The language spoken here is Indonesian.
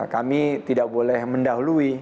kami tidak boleh mendahului